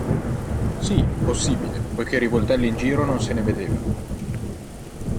Sì, possibile, poiché rivoltelle in giro non se ne vedevano.